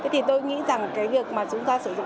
thì tôi nghĩ rằng cái việc mà chúng ta sử dụng